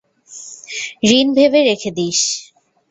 ঋণ ভেবে রেখে দিস।